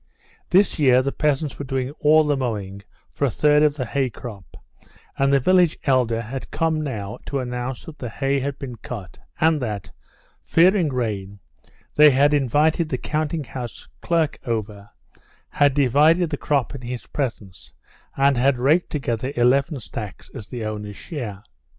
This year the peasants were doing all the mowing for a third of the hay crop, and the village elder had come now to announce that the hay had been cut, and that, fearing rain, they had invited the counting house clerk over, had divided the crop in his presence, and had raked together eleven stacks as the owner's share.